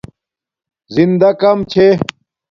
زندݳ کم چھے